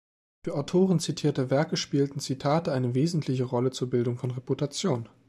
Für Autoren zitierter Werke spielen Zitate eine wesentliche Rolle zur Bildung von Reputation.